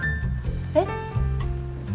えっ？